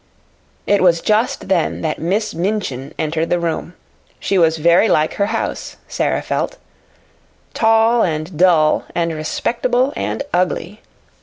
It was just then that Miss Minchin entered the room. She was very like her house, Sara felt: tall and dull, and respectable and ugly.